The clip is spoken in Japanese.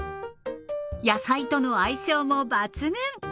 野菜との相性も抜群。